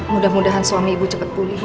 mudah mudahan suami ibu cepet pulih bu